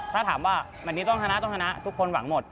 ถ้าถามว่าแหมดนี้ต้องทนะทุกคนหวังหมด